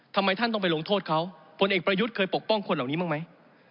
ทำไมท่านต้องไปลงโทษเขาผลเอกประยุทธ์เคยปกป้องคนเหล่านี้บ้างไหม